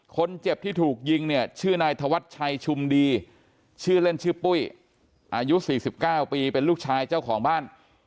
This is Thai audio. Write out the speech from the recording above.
คนเจ็บที่ถูกยิงเนี่ยชื่อนายธวัชชัยชุมดีชื่อเล่นชื่อปุ้ยอายุ๔๙ปีเป็นลูกชายเจ้าของบ้าน